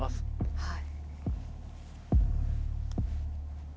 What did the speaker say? はい。